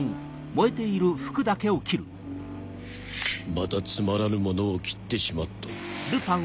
またつまらぬものを斬ってしまった。